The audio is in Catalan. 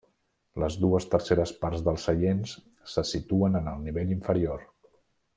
Les dues terceres parts dels seients se situen en el nivell inferior.